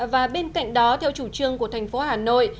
và bên cạnh đó theo chủ trương của thành phố hà nội